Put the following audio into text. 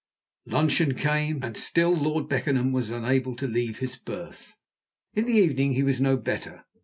Luncheon came, and still Lord Beckenham was unable to leave his berth. In the evening he was no better.